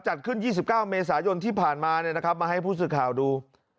จัดขึ้น๒๙เมษายนที่ผ่านมามาให้ผู้สื่อข่าวดู